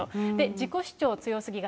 自己主張強すぎ型。